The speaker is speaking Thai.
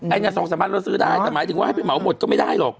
อันนี้๒๓วันเราซื้อได้แต่หมายถึงว่าให้ไปเหมาหมดก็ไม่ได้หรอก